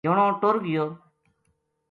جنو ٹُر گیو